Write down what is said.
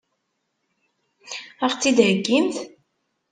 Ad ɣ-tt-id-heggimt?